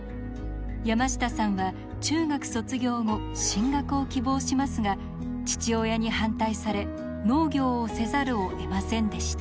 山下さんは中学卒業後進学を希望しますが父親に反対され農業をせざるをえませんでした。